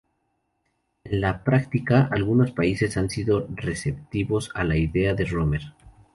En la práctica, algunos países han sido receptivos a la idea de Romer.